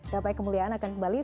dapai kemuliaan akan kembali